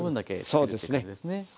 そうですね。